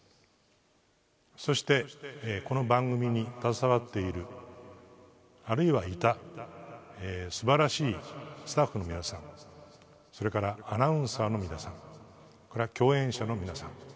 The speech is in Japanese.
そして、この番組に携わっているあるいは、いた素晴らしいスタッフの皆さんそれからアナウンサーの皆さん共演者の皆さん